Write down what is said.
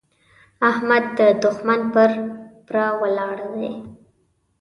احمد د دوښمن پر پره ولاړ دی.